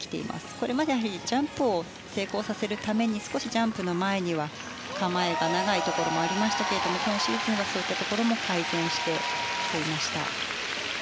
これまではジャンプを成功させるために少しジャンプの前には構えが長いところもありましたけども今シーズンはそういったところも改善していました。